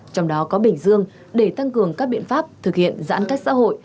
trong đó có bình dương để tăng cường các biện pháp thực hiện giãn cách xã hội